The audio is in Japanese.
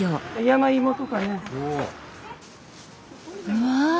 うわ！